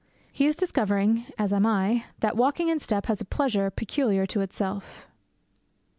He is discovering, as I am, that walking in step has a pleasure peculiar to itself.